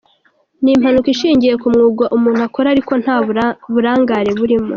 Ni impanuka ishingiye ku mwuga umuntu akora ariko nta burangare burimo.